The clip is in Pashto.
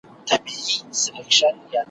ځيني وخت دښمن د خيرخواهۍ دعوه کوي.